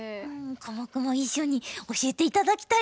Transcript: コモクも一緒に教えて頂きたいです。